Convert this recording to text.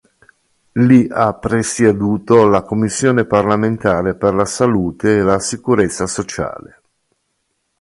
Lì ha presieduto la commissione parlamentare per la salute e la sicurezza sociale.